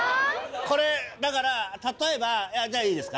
これだから例えばいいですか？